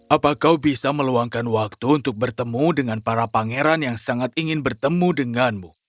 apa kau bisa meluangkan waktu untuk bertemu dengan para pangeran yang sangat ingin bertemu denganmu